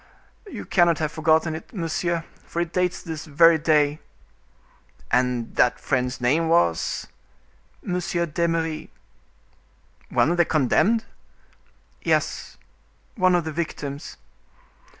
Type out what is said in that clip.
"You cannot have forgotten it, monsieur, for it dates this very day." "And that friend's name was—" "M. d'Eymeris." "One of the condemned?" "Yes, one of the victims.